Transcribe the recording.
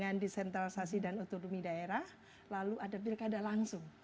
dengan desentralisasi dan otonomi daerah lalu ada pilkada langsung